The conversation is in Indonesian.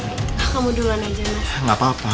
kamu duluan aja